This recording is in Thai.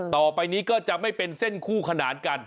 ต่อไปนี้ก็จะไม่เป็นเส้นคู่ขนานกัน